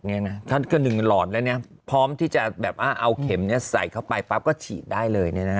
เพราะว่า๑หลอดแล้วพร้อมที่จะแบบว่าเอาเข็มใส่เข้าไปปรับก็ฉีดได้เลย